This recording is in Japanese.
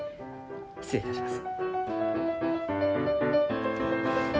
失礼いたします。